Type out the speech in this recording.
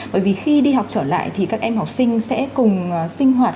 bởi vì khi đi học trở lại thì các em học sinh sẽ cùng sinh hoạt